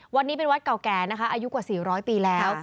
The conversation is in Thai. วัดนี้เป็นวัดเก่าแก่นะคะอายุกว่า๔๐๐ปีแล้ว